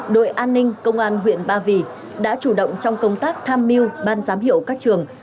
đội an ninh công an huyện ba vì đã chủ động trong công tác tham mưu ban giám hiệu các trường